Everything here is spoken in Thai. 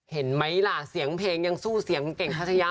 เห็นไหมล่ะเสียงเพลงยังสู้เสียงกุล่าบสีฟ้า